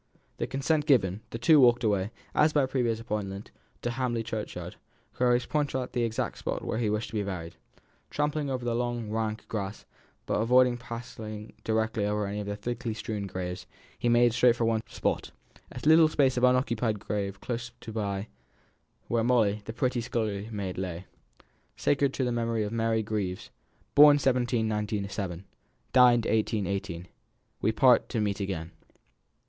The consent given, the two walked away, as by previous appointment, to Hamley churchyard, where he was to point out to her the exact spot where he wished to be buried. Trampling over the long, rank grass, but avoiding passing directly over any of the thickly strewn graves, he made straight for one spot a little space of unoccupied ground close by, where Molly, the pretty scullery maid, lay: Sacred to the Memory of MARY GREAVES. Born 1797. Died 1818. "We part to meet again."